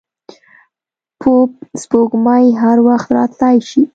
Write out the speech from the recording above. پوپ سپوږمۍ هر وخت راتلای شي.